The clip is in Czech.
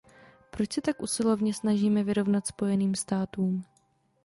Proč se tak usilovně snažíme vyrovnat Spojeným státům?